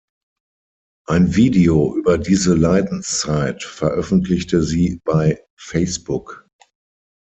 Ein Video über diese Leidenszeit veröffentlichte sie bei Facebook.